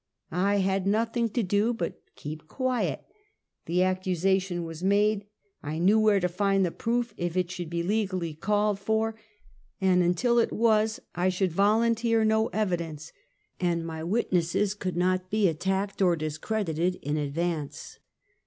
I had nothing to do but keep quiet. Tlie accusation was made. I knew where to find the proof if it should be legally called for, aiid until it was I should volun teer no evidence, and my witnesses could not be at tacked or discredited in advance.